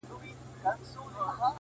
بيا به يې خپه اشـــــــــــــنا؛